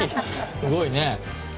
すごいね。